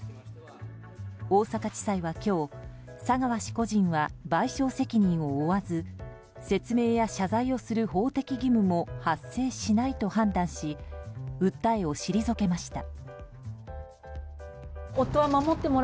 大阪地裁は今日佐川氏個人は賠償責任を負わず説明や謝罪をする法的義務も発生しないと判断し訴えを退けました。